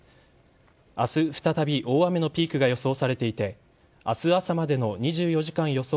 明日再び大雨のピークが予想されていて明日朝までの２４時間予想